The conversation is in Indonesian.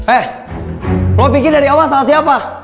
eh lo pikir dari awal salah siapa